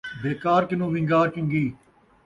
بیکار کنوں وِن٘گار چنڳی